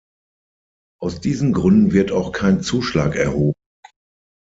Aus diesen Gründen wird auch kein Zuschlag erhoben.